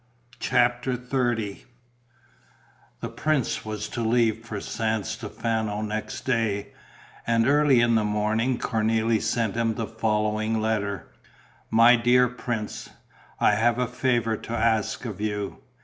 CHAPTER XXX The prince was to leave for San Stefano next day; and early in the morning Cornélie sent him the following letter: "My dear Prince, "I have a favour to ask of you.